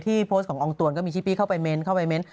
ที่โพสต์ขององต่วนก็มีชิปปี้เข้าไปเมนต์